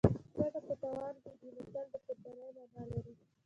ګټه په تاوان کېږي متل د قربانۍ مانا لري